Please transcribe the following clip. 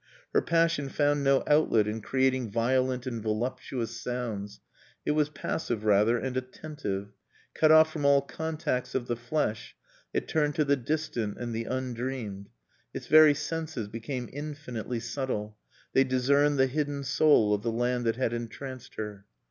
Her passion found no outlet in creating violent and voluptuous sounds. It was passive, rather, and attentive. Cut off from all contacts of the flesh, it turned to the distant and the undreamed. Its very senses became infinitely subtle; they discerned the hidden soul of the land that had entranced her.